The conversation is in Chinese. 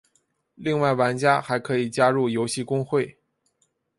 另外玩家还可以加入游戏公会。